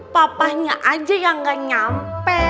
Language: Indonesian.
papanya aja yang gak nyampe